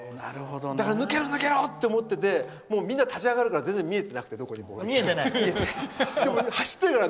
だから抜けろ、抜けろ！って思っててみんな立ち上がるから全然見えてなくて、ボールがどこに行ったのか。